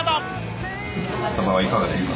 サバはいかがですか？